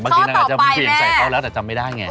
บางทีนางอาจจะเหวี่ยงใส่เขาแล้วแต่จำไม่ได้ไง